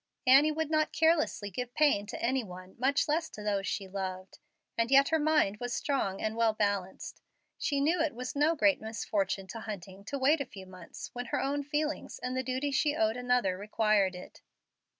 Annie would not carelessly give pain to any one, much less to those she loved. And yet her mind was strong and well balanced. She knew it was no great misfortune to Hunting to wait a few months when her own feelings and the duty she owed another required it.